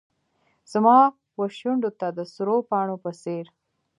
زما وشونډو ته د سرو پاڼو په څیر